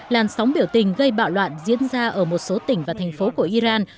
làn sóng biểu tình gây bạo loạn diễn ra ở một số tỉnh và thành phố của iran